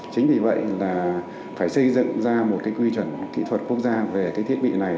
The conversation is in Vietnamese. chính vì vậy là phải xây dựng ra một cái quy chuẩn kỹ thuật quốc gia về cái thiết bị này